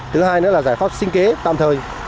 thứ hai nữa là giải pháp sinh kế tạm thời